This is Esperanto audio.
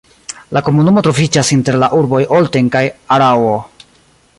La komunumo troviĝas inter la urboj Olten kaj Araŭo.